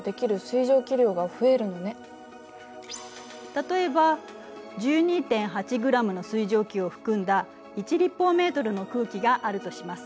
例えば１２．８ｇの水蒸気を含んだ１立方メートルの空気があるとします。